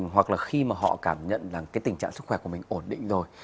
hoặc là khi mà họ cảm nhận là cái tình trạng sức khỏe của mình ổn định rồi